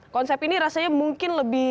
konsep ini rasanya mungkin lebih